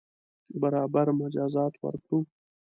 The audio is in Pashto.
برابر مجازات ورکړو.